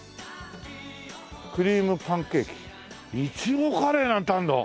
「クリームパンケーキ」「苺カレー」なんてあるんだ！